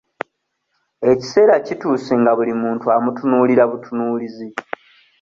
Ekiseera kituuse nga buli muntu amutunuulira butunuulizi.